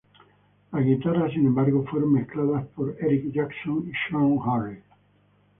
Las guitarras, sin embargo, fueron mezcladas por Eric Jackson y Sean Hurley.